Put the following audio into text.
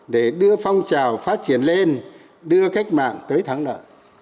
để đưa phong trào phát triển lên đưa cách mạng tới thắng lợi